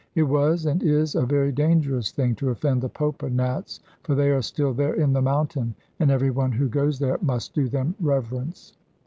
It was and is a very dangerous thing to offend the Popa Nats; for they are still there in the mountain, and everyone who goes there must do them reverence.